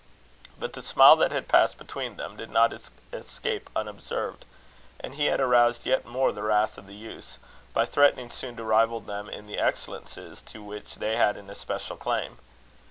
But the smile that had passed between them did not escape unobserved; and he had aroused yet more the wrath of the youths, by threatening soon to rival them in the excellencies to which they had an especial claim.